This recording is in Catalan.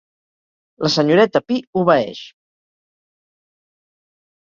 La senyoreta Pi obeeix.